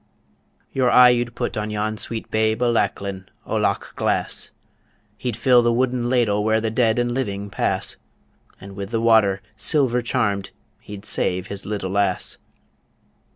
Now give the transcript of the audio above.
Your eye you'd put on yon sweet babe O' Lachlan o' Loch Glass; He'd fill the wooden ladle where The dead and living pass And with the water, silver charmed, He'd save his little lass.